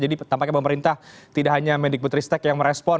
jadi tampaknya pemerintah tidak hanya medik putristek yang merespon